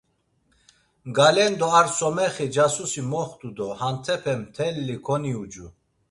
Galendo ar Somexi casusi moxtu do hantepe mtelli koniucu.